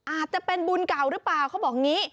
อาจจะเป็นบุญเก่าหรือเปล่าเขาบอกอย่างนี้